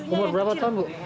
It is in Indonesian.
umur berapa tahun bu